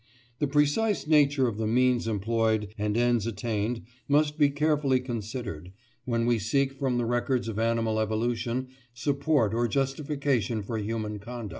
The precise nature of the means employed and ends attained must be carefully considered, when we seek from the records of animal evolution support or justification for human conduct."